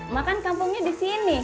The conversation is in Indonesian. makan kampungnya di sini